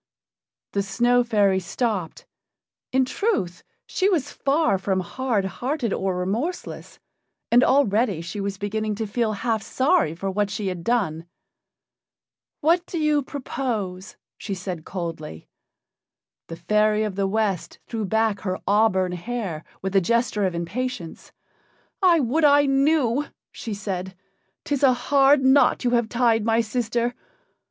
The Snow fairy stopped; in truth, she was far from hard hearted or remorseless, and already she was beginning to feel half sorry for what she had done. "What would you propose?" she said coldly. The fairy of the West threw back her auburn hair with a gesture of impatience. "I would I knew!" she said. "'Tis a hard knot you have tied, my sister.